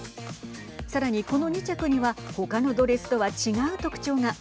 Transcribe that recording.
さらにこの２着には他のドレスとは違う特徴が。